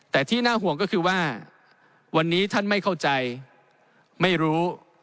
แต่ที่น่าห่วงก็คือว่าวันนี้ท่านไม่เข้าใจไม่รู้